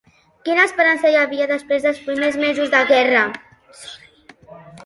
Quina esperança hi havia després dels primers mesos de guerra?